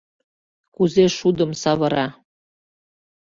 Кузе шудым савыра